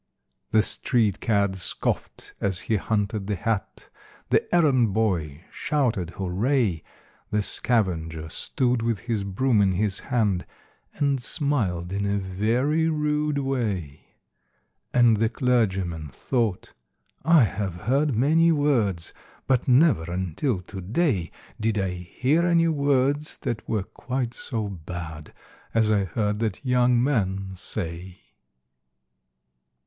The street cad scoffed as he hunted the hat, The errand boy shouted hooray! The scavenger stood with his broom in his hand, And smiled in a very rude way; And the clergyman thought, 'I have heard many words, But never, until to day, Did I hear any words that were quite so bad As I heard that young man say.'